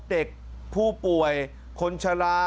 เด็กผู้ป่วยคนชะลา